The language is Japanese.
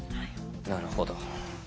なるほど。